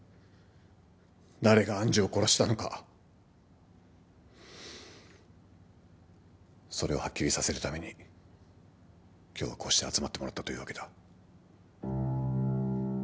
誰が愛珠を殺したのかそれをはっきりさせるために今日はこうして集まってもらったというわけだ。